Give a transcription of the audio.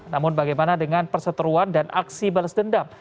namun bagaimana dengan perseteruan dan aksi balas dendam